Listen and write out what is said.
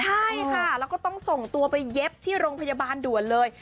ใช่ค่ะแล้วก็ต้องส่งตัวไปเย็บที่โรงพยาบาลด่วนเลย